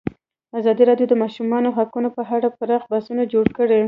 ازادي راډیو د د ماشومانو حقونه په اړه پراخ بحثونه جوړ کړي.